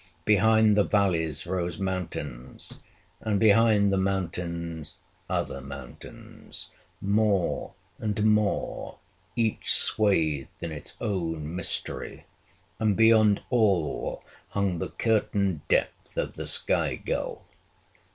Behind the valleys rose mountains; and behind the mountains, other mountains, more and more, each swathed in its own mystery; and beyond all hung the curtain depth of the sky gulf.